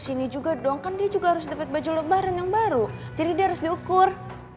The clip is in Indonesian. intan juga harus dapat baju baru jadi dia harus diukur